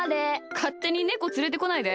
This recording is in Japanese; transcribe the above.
かってにネコつれてこないで。